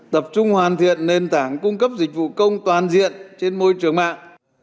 tập trung hoàn thiện nền tảng cung cấp dịch vụ công toàn diện trên môi trường mạng